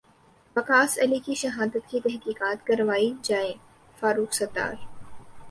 وقاص علی کی شہادت کی تحقیقات کروائی جائے فاروق ستار